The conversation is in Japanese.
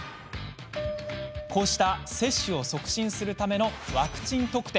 こうした接種を促進するためのワクチン特典。